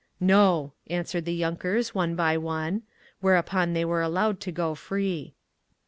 "No," answered the yunkers, one by one. Whereupon they were allowed to go free.